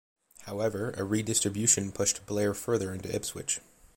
However, a redistribution pushed Blair further into Ipswich.